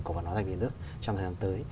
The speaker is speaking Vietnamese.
cổ phòng nói danh của nhà nước trong thời gian tới